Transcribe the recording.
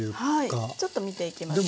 はいちょっと見ていきますね。